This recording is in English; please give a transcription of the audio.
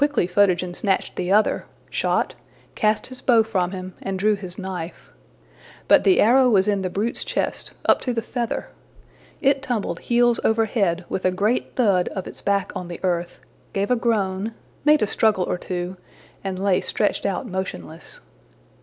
Quickly Photogen snatched the other, shot, cast his bow from him, and drew his knife. But the arrow was in the brute's chest, up to the feather; it tumbled heels over head with a great thud of its back on the earth, gave a groan, made a struggle or two, and lay stretched out motionless.